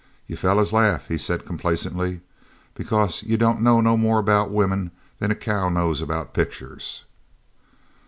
"You fellers laugh," he said complacently, "because you don't know no more about women than a cow knows about pictures."